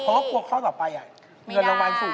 เพราะว่าพวกเข้าต่อไปเงินระวังสูงขึ้น